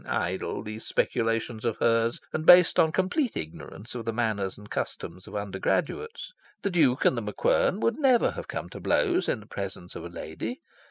Idle, these speculations of hers, and based on complete ignorance of the manners and customs of undergraduates. The Duke and The MacQuern would never have come to blows in the presence of a lady.